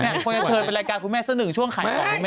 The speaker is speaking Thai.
เธอเป็นรายการคุณแม่สนึกช่วงขายของคุณแม่นะ